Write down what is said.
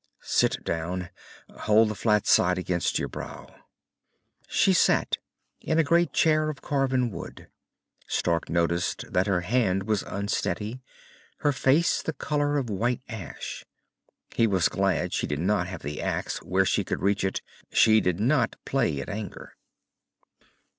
"Sit down. Hold the flat side against your brow." She sat, in a great chair of carven wood. Stark noticed that her hand was unsteady, her face the colour of white ash. He was glad she did not have the axe where she could reach it. She did not play at anger.